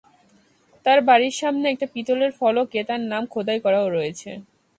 তাঁর বাড়ির সামনে একটা পিতলের ফলকে তাঁর নাম খোদাই করা রয়েছে।